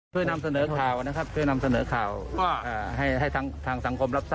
เพื่อนำเสนอข่าวนะครับ